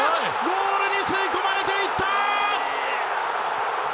ゴールに吸い込まれていった！